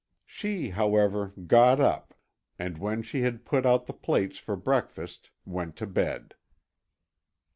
She, however, got up and when she had put out the plates for breakfast went to bed.